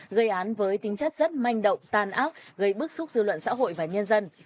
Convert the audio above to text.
gây án với tính chất rất manh động tan ác gây bức xúc dư luận xã hội và nhân dân